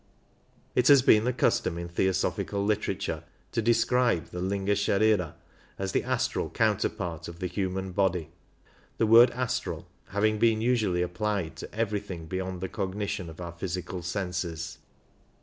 It has been the custom in Theosophical literature to describe the Linga Sharira as the astral counterpart of the human body, the word astral '' having been usually applied to everything beyond the cognition of our physical senses.